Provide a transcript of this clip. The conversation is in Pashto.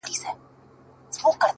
مجموعه ده د روحونو په رگو کي!!